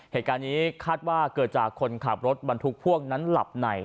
เหตุการณ์นี้คาดว่าเกิดจากคนขับรถบรรทุกพ่วงนั้นหลับใน